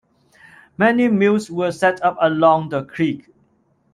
Many mills were set up along the creek.